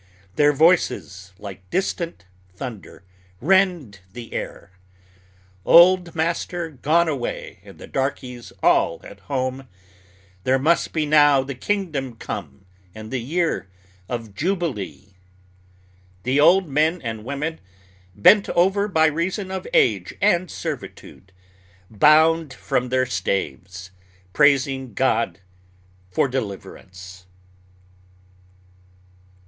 Their voices, like distant thunder, rend the air, "Old master gone away, and the darkies all at home, There must be now the kingdom come and the year of jubilee." The old men and women, bent over by reason of age and servitude, bound from their staves, praising God for deliverance.